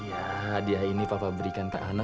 iya hadiah ini papa berikan ke ana